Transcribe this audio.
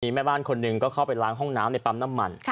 แม่บ้านคนหนึ่งก็เข้าไปล้างห้องน้ำในปั๊มน้ำมัน